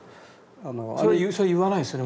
それは言わないですよね